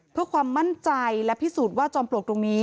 เพื่อความมั่นใจและพิสูจน์ว่าจอมปลวกตรงนี้